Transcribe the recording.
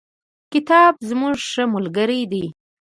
کتاب زموږ ښه ملگری دی.